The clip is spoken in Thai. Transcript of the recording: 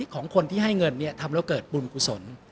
ของคนที่ให้เงินทำแล้วเกิดบุญกุศล